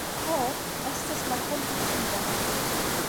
Ho, estas la kompatinda .